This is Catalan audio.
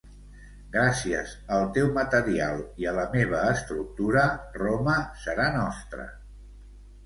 Gràcies al teu material i a la meva estructura, Roma serà nostra.